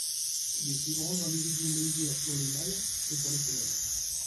Les plus grands individus mesurent pour les mâles et pour les femelles.